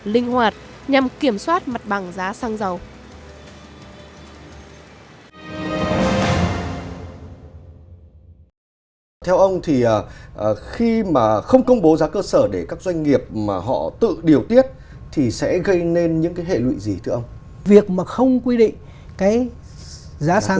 linh hoạt nhằm kiểm soát mặt bằng